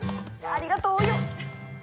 ありがとうお葉！